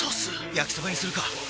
焼きそばにするか！